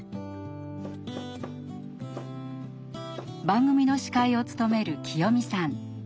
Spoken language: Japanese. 番組の司会を務めるきよみさん。